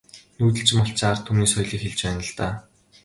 Нүүдэлчин малчин ард түмний соёлыг хэлж байна л даа.